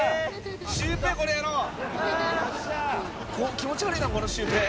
気持ち悪いなこのシュウペイ。